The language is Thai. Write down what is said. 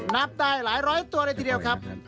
นับได้หลายร้อยตัวเลยทีเดียวครับ